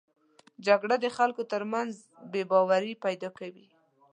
جګړه د خلکو تر منځ بې باوري پیدا کوي